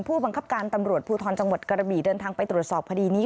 ผู้บังคับการตำรวจภูทรจังหวัดกระบี่เดินทางไปตรวจสอบคดีนี้